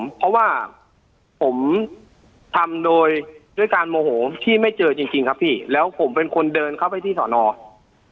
เพราะว่าผมทำโดยด้วยการโมโหที่ไม่เจอจริงครับพี่แล้วผมเป็นคนเดินเข้าไปที่สอนอ